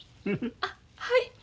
あっはい。